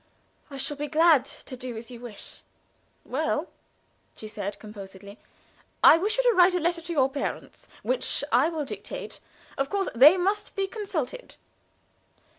I shall be glad to do as you wish." "Well," said she, composedly, "I wish you to write a letter to your parents, which I will dictate; of course they must be consulted.